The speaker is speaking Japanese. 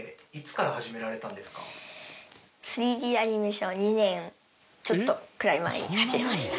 ３Ｄアニメーションは２年ちょっとくらい前に始めました。